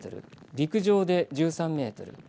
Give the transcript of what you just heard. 陸上で１３メートル